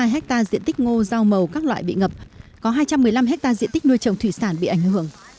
năm trăm sáu mươi hai hectare diện tích ngô rau màu các loại bị ngập có hai trăm một mươi năm hectare diện tích nuôi trồng thủy sản bị ảnh hưởng